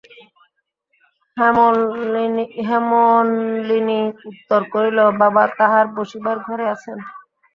হেমনলিনী উত্তর করিল, বাবা তাঁহার বসিবার ঘরে আছেন।